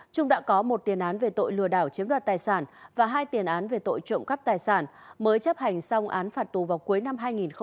trung đã có một tiền án về tội lừa đảo chiếm đoạt tài sản và hai tiền án về tội trộm cắp tài sản mới chấp hành xong án phạt tù vào cuối năm hai nghìn một mươi chín